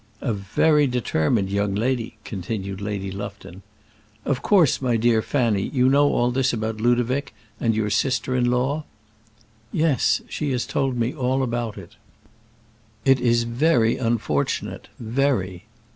"A very determined young lady," continued Lady Lufton. "Of course, my dear Fanny, you know all this about Ludovic and your sister in law?" "Yes, she has told me about it." "It is very unfortunate very."